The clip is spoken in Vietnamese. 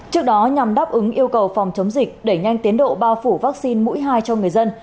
trước đó nhằm đáp ứng yêu cầu phòng chống dịch đẩy nhanh tiến độ bao phủ vaccine mũi hai cho người dân